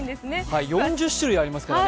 ４０種類ありますから。